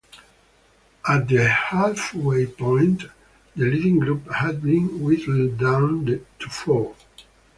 At the halfway point, the leading group had been whittled down to four.